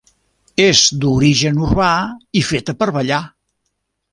És d'origen urbà, i feta per ballar.